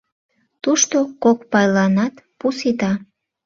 Тушто кок пайланат пу сита.